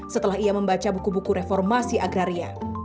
setelah ia membaca buku buku reformasi agraria